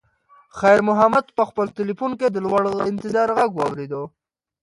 خیر محمد په خپل تلیفون کې د لور د انتظار غږ واورېد.